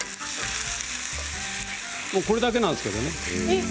これだけなんですけどね。